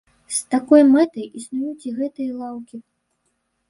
З такой мэтай існуюць і гэтыя лаўкі.